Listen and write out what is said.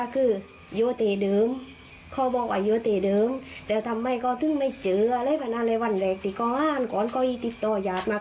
คือก็ข้องแบบไห้อยู่ก่อนแนวส่องสามวัน